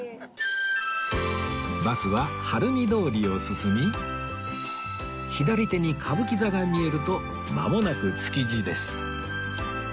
バスは晴海通りを進み左手に歌舞伎座が見えるとまもなく築地です